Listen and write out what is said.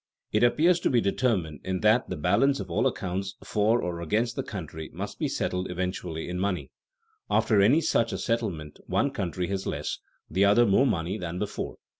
_ It appears to be determined in that the balance of all accounts for or against the country must be settled eventually in money. After any such a settlement one country has less, the other more money than before.